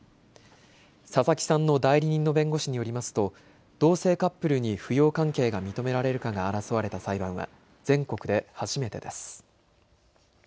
佐々木さんの代理人の弁護士によりますと同性カップルに扶養関係が認められるかが争われた裁判は全国で初めてです。